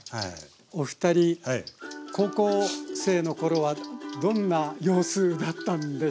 お二人高校生の頃はどんな様子だったんでしょうねえ？